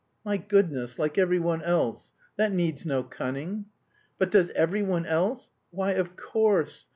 "My goodness, like every one else. That needs no cunning!" "But does every one else...?" "Why, of course.